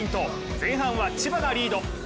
前半は千葉がリード。